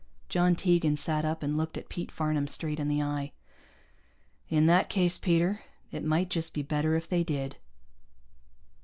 John Tegan sat up, and looked Pete Farnam straight in the eye. "In that case, Peter, it might just be better if they did."